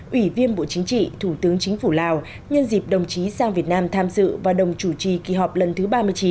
ủy viên bộ chính trị thủ tướng chính phủ lào nhân dịp đồng chí sang việt nam tham dự và đồng chủ trì kỳ họp lần thứ ba mươi chín